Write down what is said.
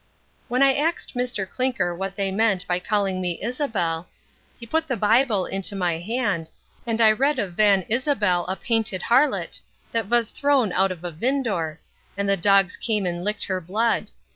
When I axed Mr Clinker what they meant by calling me Issabel, he put the byebill into my hand, and I read of van Issabel a painted harlot, that vas thrown out of a vindore, and the dogs came and licked her blood.